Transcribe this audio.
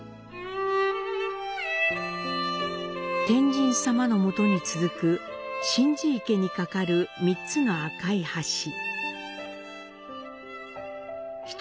「天神さま」のもとに続く心字池に架かる３つの朱い橋。